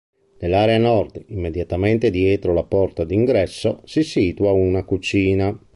Nell'area nord, immediatamente dietro la porta d'ingresso, si situa una cucina.